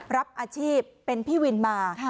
รับอาชีพเป็นพี่วินมา